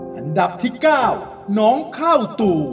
หนับที่๙น้องเข้าตุ